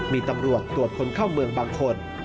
มีตำรวจตรวจคนเข้าเมืองบางคน